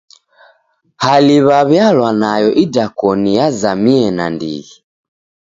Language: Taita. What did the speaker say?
Hali w'aw'ialwa nayo idakoni yazamie nandighi.